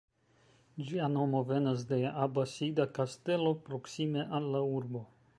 Ĝia nomo venas de abasida kastelo proksime al la urbo.